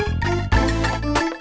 sudah semuanya semula